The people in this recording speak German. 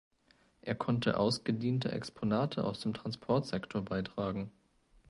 Er konnte ausgediente Exponate aus dem Transportsektor beitragen.